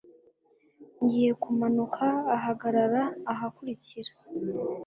Ngiye kumanuka ahagarara ahakurikira.